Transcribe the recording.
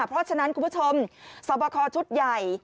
เพราะฉะนั้นคุณผู้ชมสอบคอชุดใหญ่